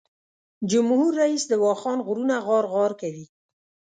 جمهور رییس د واخان غرونه غار غار کوي.